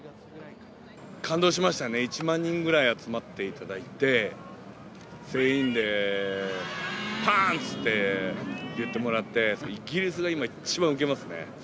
感動しましたね、１万人ぐらい集まっていただいて、全員でパンツ！って言ってもらって、イギリスが今、一番うけますね。